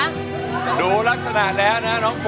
ทุกคนรู้ลักษณะแล้วนะ